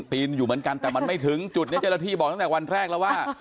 ปีนอยู่เหมือนกันแต่มันไม่ถึงจุดนี้เจ้าหน้าที่บอกตั้งแต่วันแรกแล้วว่า